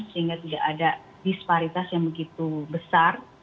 sehingga tidak ada disparitas yang begitu besar